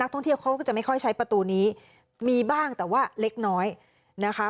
ท่องเที่ยวเขาก็จะไม่ค่อยใช้ประตูนี้มีบ้างแต่ว่าเล็กน้อยนะคะ